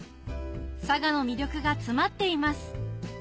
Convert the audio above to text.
佐賀の魅力が詰まっています